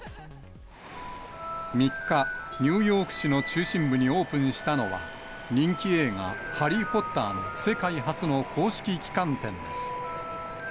３日、ニューヨーク市の中心部にオープンしたのは、人気映画、ハリー・ポッターの世界初の公式旗艦店です。